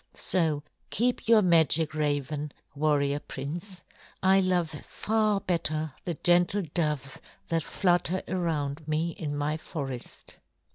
So keep your magic raven, warrior prince. I love far better the gentle doves that flutter around me in my forest."